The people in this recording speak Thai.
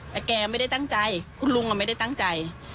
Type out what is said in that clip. แต่แกไม่ได้ตั้งใจคุณลุงไม่ได้ตั้งใจ